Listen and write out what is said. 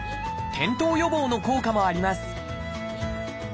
転倒予防の効果もあります。